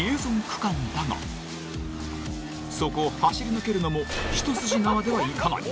区間だがそこを走り抜けるのも一筋縄ではいかない。